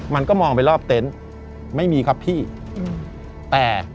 มันก็มองไปรอบเต็นต์ไม่มีครับพี่แต่